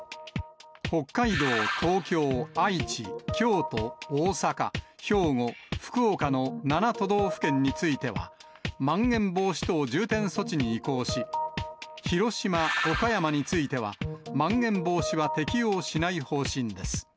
北海道、東京、愛知、京都、大阪、兵庫、福岡の７都道府県については、まん延防止等重点措置に移行し、広島、岡山については、まん延防止は適用しない方針です。